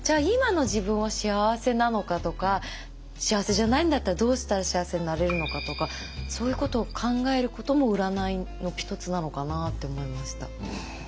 今の自分は幸せなのかとか幸せじゃないんだったらどうしたら幸せになれるのかとかそういうことを考えることも占いの一つなのかなって思いました。